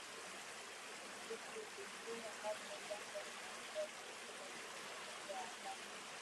Vitu vikuu ambavyo Uganda inaiuzia jamuhuri ya kidemokrasia ya Kongo